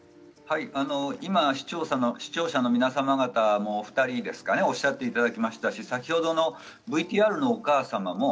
今、視聴者の皆様方もお二人おっしゃっていただきましたし、先ほどのＶＴＲのお母さんも。